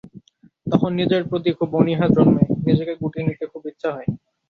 তখন নিজের প্রতি খুব অনীহা জন্মে, নিজেকে গুটিয়ে নিতে খুব ইচ্ছা হয়।